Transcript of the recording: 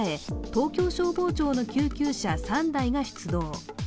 東京消防庁の救急車３台が出動。